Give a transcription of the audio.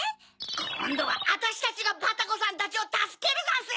こんどはあたしたちがバタコさんたちをたすけるざんす！